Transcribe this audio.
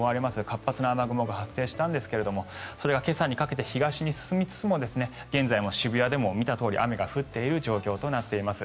活発な雨雲が発生したんですがそれが今朝にかけて東に進みつつも現在も渋谷でも見たとおり雨が降っている状況となっています。